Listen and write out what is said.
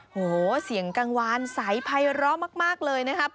โอ้โฮเสียงกังวานใสไพร่อมากเลยนะคะ